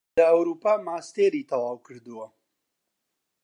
لە ئەوروپا ماستێری تەواو کردووە